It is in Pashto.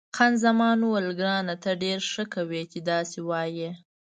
خان زمان وویل، ګرانه ته ډېره ښه کوې چې داسې وایې.